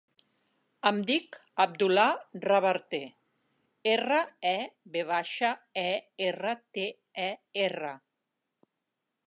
Em dic Abdullah Reverter: erra, e, ve baixa, e, erra, te, e, erra.